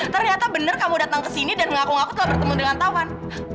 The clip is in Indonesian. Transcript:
ternyata bener kamu datang ke sini dan mengaku ngaku setelah bertemu dengan tawan